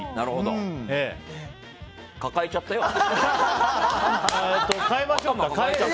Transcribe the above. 抱えちゃったよ、頭。